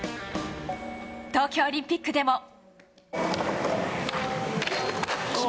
東京オリンピックでも。